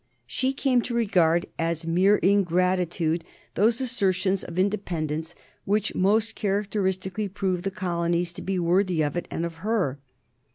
She came to regard as mere ingratitude those assertions of independence which most characteristically proved the colonies to be worthy of it and of her.